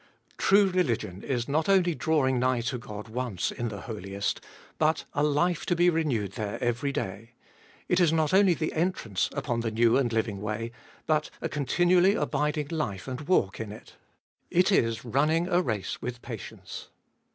True religion is not only drawing nigh to God once in the Holiest, but a life to be renewed there every day ; it is not only the entrance upon the new and living way, but a con tinually abiding life and walk in it. It is running a race with patience.